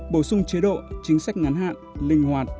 bổ sung chế độ chính sách ngắn hạn linh hoạt